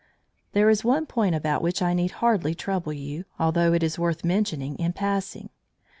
There is one point about which I need hardly trouble you, although it is worth mentioning in passing.